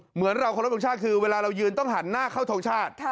เหมือนเราเคารพทรงชาติคือเวลาเรายืนต้องหันหน้าเข้าทรงชาติ